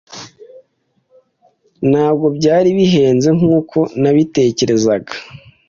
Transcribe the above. Ntabwo byari bihenze nkuko nabitekerezaga.